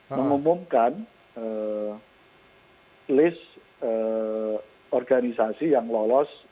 mengumumkan list organisasi yang lolos